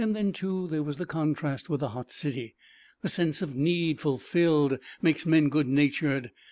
Then, too, there was the contrast with the hot city; the sense of need fulfilled makes men good natured.